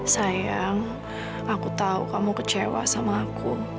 sayang aku tahu kamu kecewa sama aku